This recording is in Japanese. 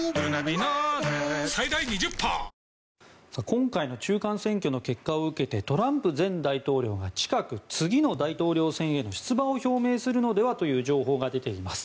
今回の中間選挙の結果を受けてトランプ前大統領が近く次の大統領選への出馬を表明するのではとの情報が出ています。